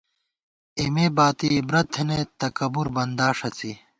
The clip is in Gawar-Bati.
اېمےباتی عبرت تھنَئیت، تکَبُربندا ݭڅی